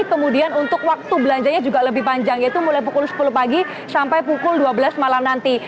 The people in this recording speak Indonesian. kemudian untuk waktu belanjanya juga lebih panjang yaitu mulai pukul sepuluh pagi sampai pukul dua belas malam nanti